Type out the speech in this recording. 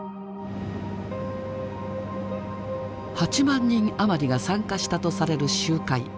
８万人余りが参加したとされる集会。